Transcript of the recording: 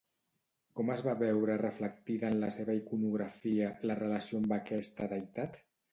Com es va veure reflectida en la seva iconografia la relació amb aquesta deïtat?